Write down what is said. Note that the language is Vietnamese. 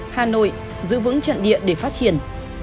hà nội giữ vững trận địa để phát triển